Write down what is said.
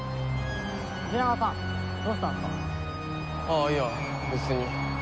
ああいや別に。